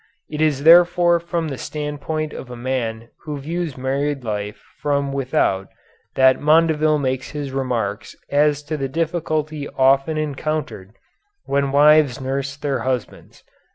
It is therefore from the standpoint of a man who views married life from without that Mondeville makes his remarks as to the difficulty often encountered when wives nurse their husbands.